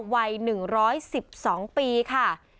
วัย๑๑๒ปีค่ะ